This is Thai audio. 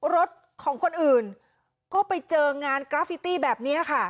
รถของคนอื่นก็ไปเจองานกราฟิตี้แบบนี้ค่ะ